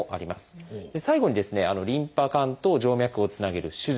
最後にリンパ管と静脈をつなげる手術。